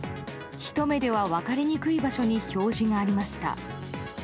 ひと目では分かりにくいところに表示がありました。